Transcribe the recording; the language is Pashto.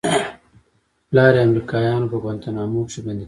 پلار يې امريکايانو په گوانټانامو کښې بندي کړى و.